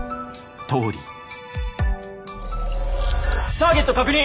ターゲット確認。